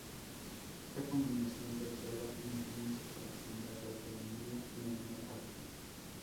Esta combinación se observa en su música, en la gastronomía y en el arte.